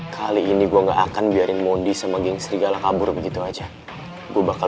kali ini gue gak akan biarin mondi sama geng serigala kabur begitu aja gue bakal